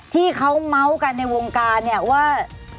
ที่เขาเมาส์กันในวงการเนี่ยว่า